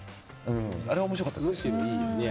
あれ面白かったですね。